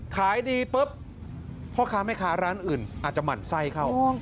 ขายดีปุ๊บพ่อค้าแม่ค้าร้านอื่นอาจจะหมั่นไส้เข้า